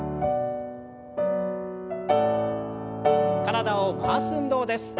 体を回す運動です。